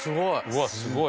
うわっすごい。